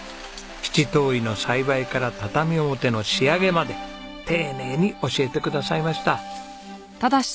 七島藺の栽培から畳表の仕上げまで丁寧に教えてくださいました。